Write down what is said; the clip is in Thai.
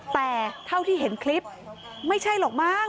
แต่เท่าที่เห็นคลิปไม่ใช่หรอกมั้ง